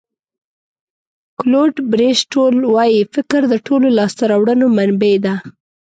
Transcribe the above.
کلوډ بریسټول وایي فکر د ټولو لاسته راوړنو منبع ده.